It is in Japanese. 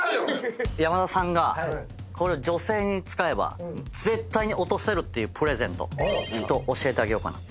山田さんがこれ女性に使えば絶対に落とせるっていうプレゼントちょっと教えてあげようかな。